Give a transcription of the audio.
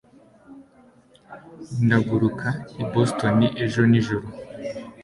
Ndaguruka i Boston ejo nijoro.